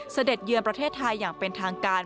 เสด็นประเทศไทยอย่างเป็นทางการ